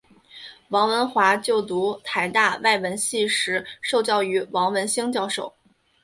王文华就读台大外文系时受教于王文兴教授。